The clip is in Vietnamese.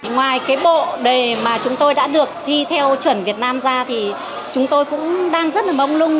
ngoài cái bộ đề mà chúng tôi đã được thi theo chuẩn việt nam ra thì chúng tôi cũng đang rất là mông lung